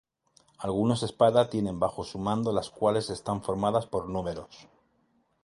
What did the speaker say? Algunos "Espada" tienen bajo su mando las cuales están formadas por "Números".